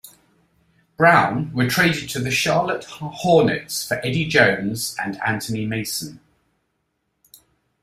Brown were traded to the Charlotte Hornets for Eddie Jones and Anthony Mason.